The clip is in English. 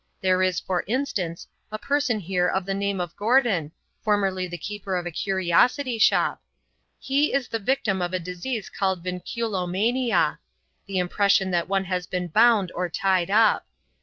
There is, for instance, a person here of the name of Gordon, formerly the keeper of a curiosity shop. He is a victim of the disease called Vinculomania the impression that one has been bound or tied up.